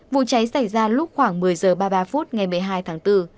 vụ cháy xảy ra lúc khoảng một mươi h ba mươi ba phút ngày một mươi hai tháng bốn